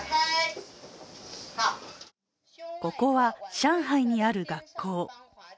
ここは上海にある学校。